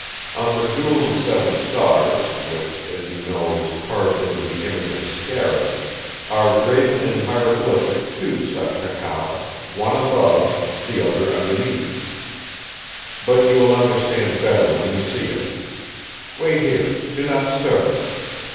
On the Jewel of Seven Stars, which, as you know, is carved into the image of a scarab, are graven in hieroglyphic two such hekau, one above, the other underneath. But you will understand better when you see it! Wait here! Do not stir!"